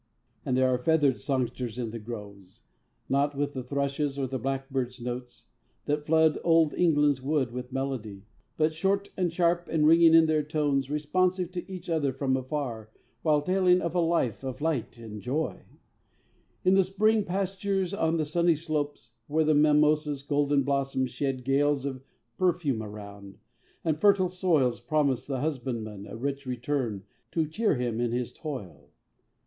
And there are feathered songsters in the groves; Not with the thrush's or the blackbird's notes, That flood Old England's woods with melody; But short, and sharp, and ringing in their tones, Responsive to each other from afar, While telling of a life of light and joy. In the green pastures on the sunny slopes, Where the mimosa's golden blossoms shed Gales of perfume around; and fertile soils Promise the husbandman a rich return To cheer him in his toil.